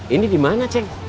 ini dimana ceng